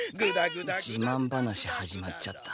じまん話始まっちゃった。